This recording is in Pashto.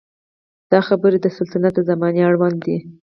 دا خبرې د سلطنت د زمانې اړوند دي.